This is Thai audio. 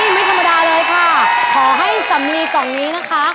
ไม่ธรรมดาเลยค่ะขอให้สำลีกล่องนี้นะคะ